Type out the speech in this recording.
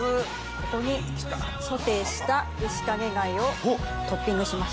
ここにソテーしたイシカゲ貝をトッピングします。